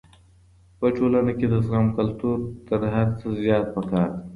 په ټولنه کي د زغم کلتور تر هر څه زيات پکار دی.